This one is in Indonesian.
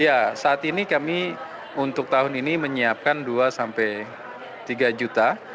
ya saat ini kami untuk tahun ini menyiapkan dua sampai tiga juta